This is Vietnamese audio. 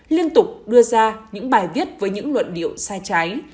liên tục đưa ra những bài viết với những luận điệu sai trái